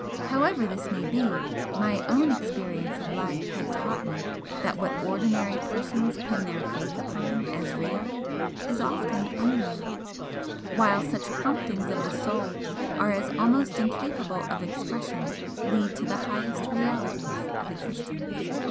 However this may be, my own experience of life had taught me that what ordinary persons pin their faith upon as real, is often unreal, while such promptings of the soul as are almost incapable of expression lead to the highest realities of existence.